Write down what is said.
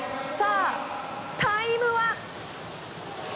さあ、タイムは。